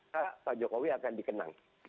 pak jokowi akan dikenang